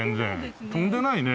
飛んでないね。